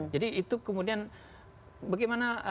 jadi itu kemudian bagaimana